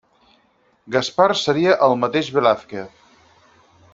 Gaspar seria el mateix Velázquez.